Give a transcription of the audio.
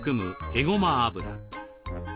えごま油。